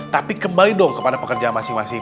tapi kembali dong kepada pekerja masing masing